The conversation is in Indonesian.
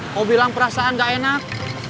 mau bilang perasaan gak enak